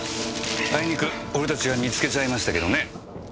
あいにく俺達が見つけちゃいましたけどね。